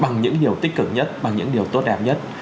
bằng những điều tích cực nhất bằng những điều tốt đẹp nhất